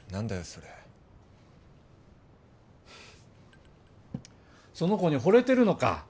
それその子にほれてるのか？